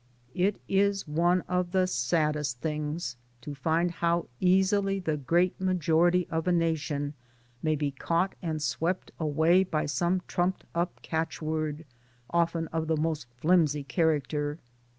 It is one of the saddest things to find how easily the great majority of a nation may be caught and swept away by some trumped up catchword, often of the most flimsy character.